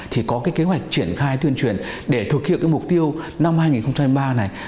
thì có cái kế hoạch triển khai tuyên truyền để thực hiện cái mục tiêu năm hai nghìn hai mươi ba này